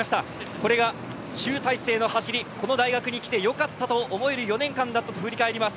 この大学に来てよかったと思える４年間だったと振り返ります。